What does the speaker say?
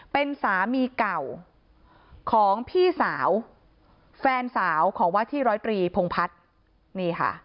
เป็นสามีเก่าของพี่สาวแฟนสาวของว่าที่ร้อยตรีพงพัฒน์นี่ค่ะ